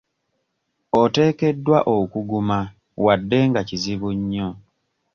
Oteekeddwa okuguma wadde nga kizibu nnyo.